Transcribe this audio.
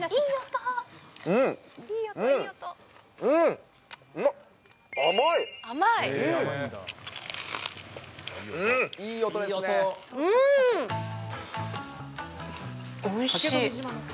おいしい。